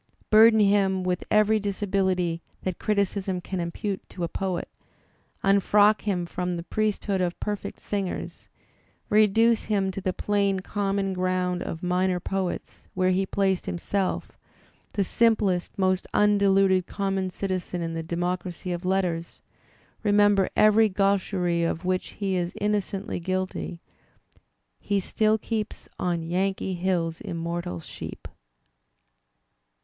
Burden him with every disability that criticism can impute to a poet; unfrock him from the priesthood of perfect singers; reduce him to the plain common ground of minor poets, where he placed himself, the simplest, most undeluded common citizen in the democracy of letters; remember every gaiicherie of which he is innocently guilty: he still keeps "on Yankee hills immortal sheep."